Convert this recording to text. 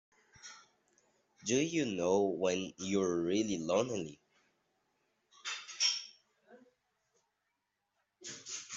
Do you know when you're really lonely?